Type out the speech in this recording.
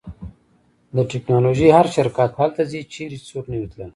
د ټیکنالوژۍ هر شرکت هلته ځي چیرې چې څوک نه وي تللی